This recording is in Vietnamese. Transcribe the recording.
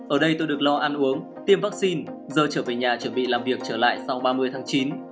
ở đây tôi được lo ăn uống tiêm vaccine giờ trở về nhà chuẩn bị làm việc trở lại sau ba mươi tháng chín